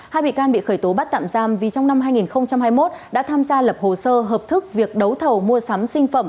hai bị can bị khởi tố bắt tạm giam vì trong năm hai nghìn hai mươi một đã tham gia lập hồ sơ hợp thức việc đấu thầu mua sắm sinh phẩm